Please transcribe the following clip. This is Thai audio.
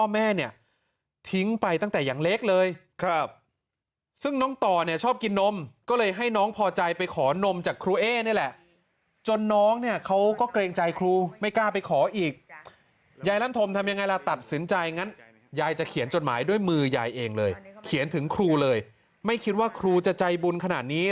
ไม่คิดว่าครูจะใจบุญขนาดนี้และก็มีผู้ใจบุญคนอื่นเนี่ย